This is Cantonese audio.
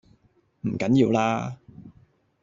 唔緊要啦